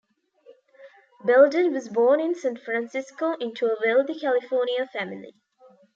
Belden was born in San Francisco into a wealthy California family.